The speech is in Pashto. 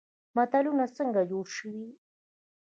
متلونه څنګه جوړ شوي؟